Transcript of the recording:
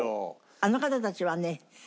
あの方たちはね